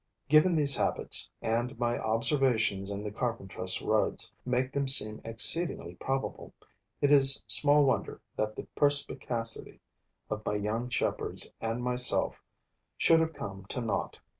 Given these habits and my observations in the Carpentras roads make them seem exceedingly probable it is small wonder that the perspicacity of my young shepherds and myself should have come to naught.